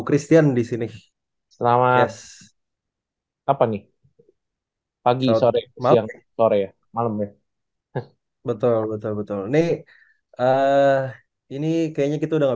christian disini selama apa nih pagi sore malam sore malam betul betul betul ini kayaknya kita udah